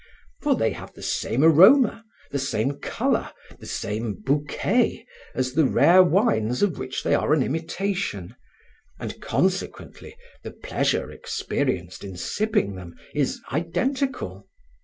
For they have the same aroma, the same color, the same bouquet as the rare wines of which they are an imitation, and consequently the pleasure experienced in sipping them is identical.